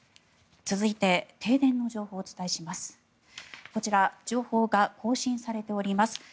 続いて停電の情報をお伝えします。